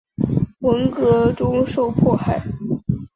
文革中受迫害。